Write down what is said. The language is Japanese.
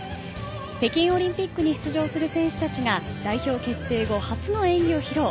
北京オリンピックに出場する選手たちが代表決定後初の演技を披露。